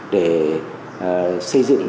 để xây dựng